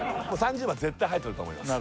３０番絶対入ってると思います